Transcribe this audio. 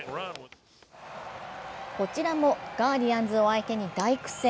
こちらもガーディアンズを相手に大苦戦。